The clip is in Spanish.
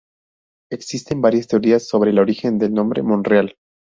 Existen varias teorías sobre el origen del nombre Monreal.